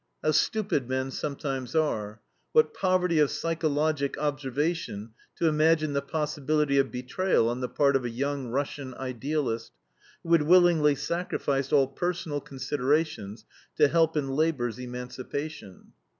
How stupid men sometimes are! What poverty of psychologic observation to imagine the possibility of betrayal on the part of a young Russian idealist, who had willingly sacrificed all personal considerations to help in labor's emancipation.